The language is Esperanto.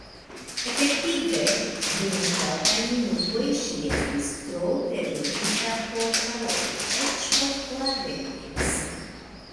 Efektive dum kelkaj minutoj ŝi estis tro terurita por paroli, eĉ por klare pensi.